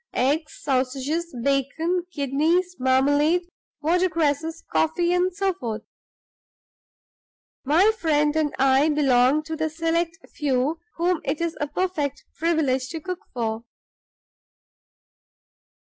Eggs, sausages, bacon, kidneys, marmalade, water cresses, coffee, and so forth. My friend and I belong to the select few whom it's a perfect privilege to cook for.